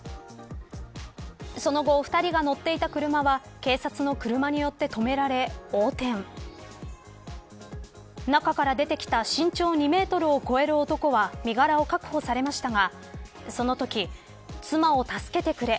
その後、２人が乗っていた車は警察の車によって止められ中から出てきた身長２メートルを超える男は身柄を確保されましたがそのとき、妻を助けてくれ。